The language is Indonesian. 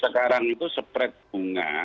sekarang itu spread bunga